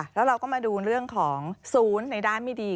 แล้วเราก็มาดูเรื่องของศูนย์ในด้านไม่ดี